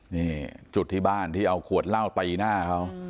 นี่จุดที่บ้านที่เอาขวดเหล้าตีหน้าเขา